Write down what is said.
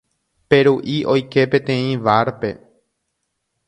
Peru'i oike peteĩ barpe.